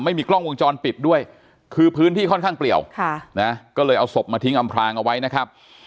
ไม่มีกล้องวงจรปิดด้วยคือพื้นที่ค่อนข้างเปลี่ยวก็เลยเอาศพมาทิ้งอำพลางเอาไว้นะครับ